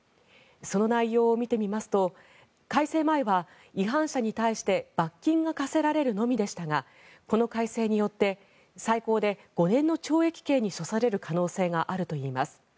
その内容を見てみますと改正前は違反者に対して罰金が科せられるのみでしたがこの改正によって最高で５年の懲役刑に処される可能性があるといいます。